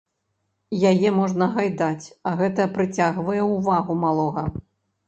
Яе можна гайдаць, а гэта прыцягвае ўвагу малога.